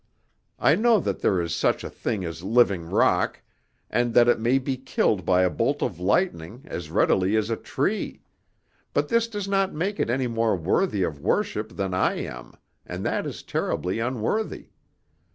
I know that there is such a thing as living rock, and that it may be killed by a bolt of lightning as readily as a tree; but this does not make it any more worthy of worship than I am, and that is terribly unworthy.